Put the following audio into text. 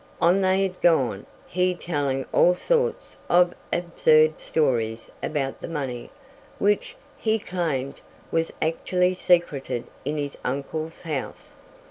On they had gone, he telling all sorts of absurd stories about the money, which, he claimed, was actually secreted in his uncle's house.